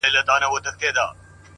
دا يې د ميــــني تـرانـــه ماته كــړه.